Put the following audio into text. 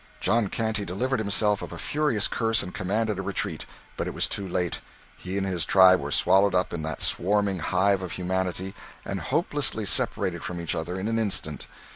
John Canty delivered himself of a furious curse and commanded a retreat; but it was too late. He and his tribe were swallowed up in that swarming hive of humanity, and hopelessly separated from each other in an instant.